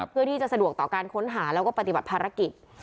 เพื่อที่จะสะดวกต่อการค้นหาแล้วก็ปฏิบัติภารกิจ